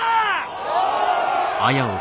お！